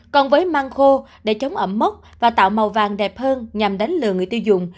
còn với măng khô để chống ẩm mốc và tạo màu vàng đẹp hơn nhằm đánh lừa người tiêu dùng